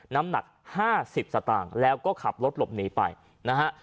น้ำหนัก๕๐สตางค์แล้วก็ขับรถหลบหนีไปนะฮะ